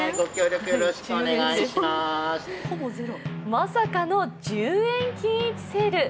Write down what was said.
まさかの１０円均一セール。